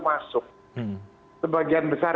masuk sebagian besar